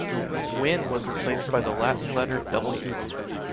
Wynn was replaced by the Latin letter .